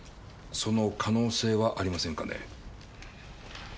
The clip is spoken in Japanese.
その可能性はありませんかね？